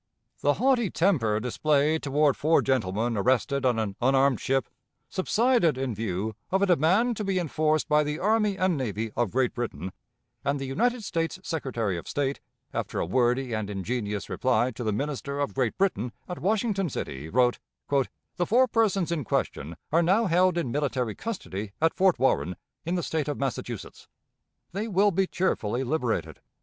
The haughty temper displayed toward four gentlemen arrested on an unarmed ship subsided in view of a demand to be enforced by the army and navy of Great Britain, and the United States Secretary of State, after a wordy and ingenious reply to the Minister of Great Britain at Washington City, wrote: "The four persons in question are now held in military custody at Fort Warren, in the State of Massachusetts. They will be cheerfully liberated.